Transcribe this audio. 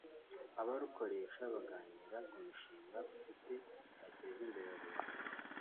Abarukoresha baganira ku mishinga bafite yateza imbere rubanda